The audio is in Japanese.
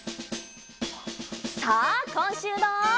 さあこんしゅうの。